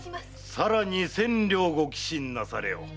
さらに千両ご寄進なされよ。